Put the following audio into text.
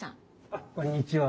あっこんにちは。